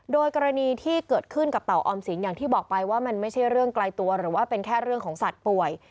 โดยกรณีที่เกิดขึ้นกับเต่าออมสินอย่างที่บอกไปว่ามันไม่ใช่เรื่องไกลตัวหรือว่าเป็นแค่เรื่องของสัตว์ป่วย